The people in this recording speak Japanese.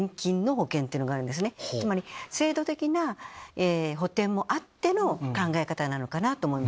つまり制度的な補てんもあっての考え方なのかなと思います。